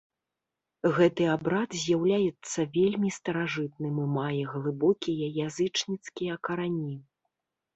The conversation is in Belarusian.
Гэты абрад з'яўляецца вельмі старажытным і мае глыбокія язычніцкія карані.